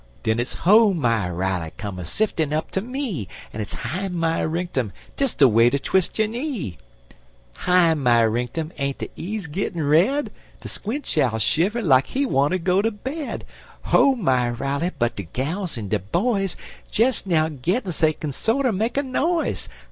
Den it's ho my Riley! Come a siftin' up ter me! En it's hi my rinktum! Dis de way ter twis' yo' knee! Hi my rinktum! Ain't de eas' gittin' red? De squinch owl shiver like he wanter go ter bed; Ho my Riley! but de gals en de boys, Des now gittin' so dey kin sorter make a noise.